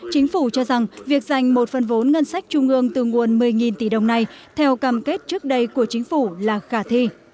chính phủ cho rằng việc dành một phần vốn ngân sách trung ương từ nguồn một mươi tỷ đồng này theo cam kết trước đây của chính phủ là khả thi